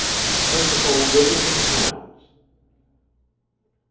PRINCIPAL RIVERS AND TOWNS.